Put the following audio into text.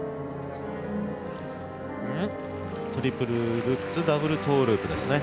トリプルルッツダブルトウループですね。